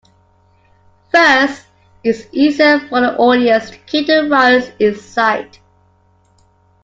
First, it was easier for the audience to keep the riders in sight.